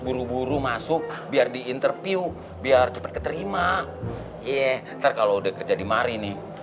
buru buru masuk biar diinterview biar cepat keterima ye ntar kalau udah kerja dimari nih